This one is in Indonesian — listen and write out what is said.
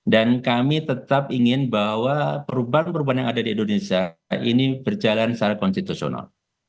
dan kami tetap ingin bahwa perubahan perubahan yang ada di indonesia ini berjalan secara konstitusional